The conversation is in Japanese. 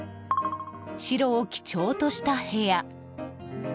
白を基調とした部屋。